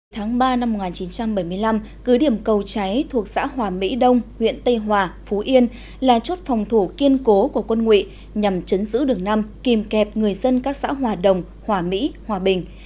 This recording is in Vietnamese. tháng ba năm một nghìn chín trăm bảy mươi năm cứ điểm cầu cháy thuộc xã hòa mỹ đông huyện tây hòa phú yên là chốt phòng thủ kiên cố của quân nguyện nhằm chấn giữ đường năm kìm kẹp người dân các xã hòa đồng hòa mỹ hòa bình